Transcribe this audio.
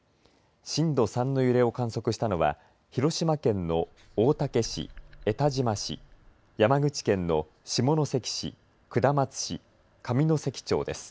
震度３の揺れを観測したのは広島県の大竹市江田島市山口県の下関市、下松市、上関町です。